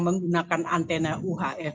menggunakan antena uhf